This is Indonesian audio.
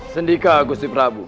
sendika agusti prabu